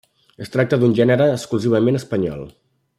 Es tracta d'un gènere exclusivament espanyol.